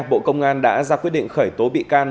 bộ công an đã ra quyết định khởi tố bị can